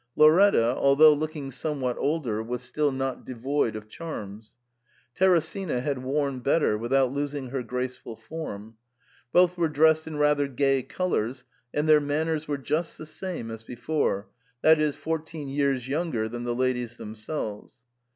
Lauretta, although looking somewhat older, was still not devoid of charms. Teresina had worn better, with out losing her graceful form. Both were dressed in rather gay colours, and their manners were ju(6t the same as before, that is, fourteen years younger than the ladies themselves.